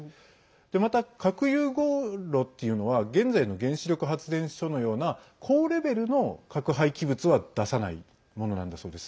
また、核融合炉っていうのは現在の原子力発電所のような高レベルの核廃棄物は出さないものなんだそうです。